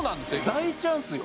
大チャンスよ